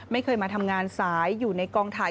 ไม่เคยมาทำงานสายอยู่ในกองถ่าย